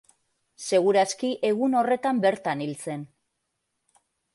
Segur aski egun horretan bertan hil zen.